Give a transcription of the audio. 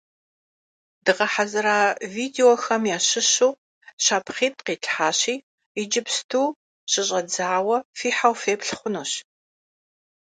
Дгъэхьэзыра видеохэм ящыщу щапхъитӀ къитлъхьащи, иджыпсту щыщӀэдзауэ фихьэу феплъ хъунущ.